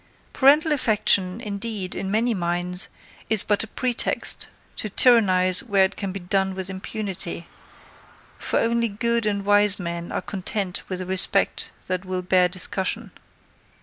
Parental affection, indeed, in many minds, is but a pretext to tyrannize where it can be done with impunity, for only good and wise men are content with the respect that will bear discussion.